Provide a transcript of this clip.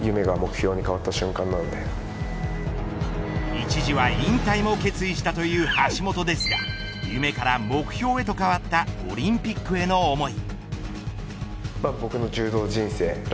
一時は引退を決意したという橋本ですが夢から目標へと変わったオリンピックへの思い。